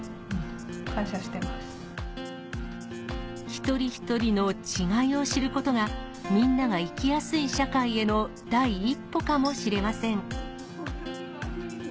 一人一人の違いを知ることがみんなが生きやすい社会への第一歩かもしれません。